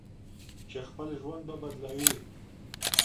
چې خپل ژوند به بدلوي.